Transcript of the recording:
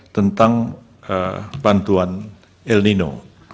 tentang bantuan el nino